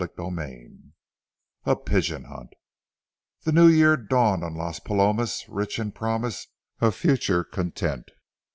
CHAPTER V A PIGEON HUNT The new year dawned on Las Palomas rich in promise of future content.